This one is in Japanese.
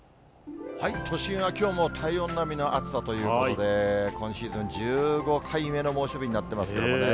都心はきょうも体温並みの暑さということで、今シーズン１５回目の猛暑日になってますけどもね。